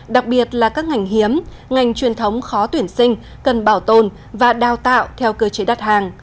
đặc biệt là các ngành hiếm ngành truyền thống khó tuyển sinh cần bảo tồn và đào tạo theo cơ chế đắt hàng